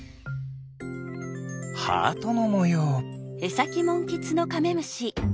ハートのもよう。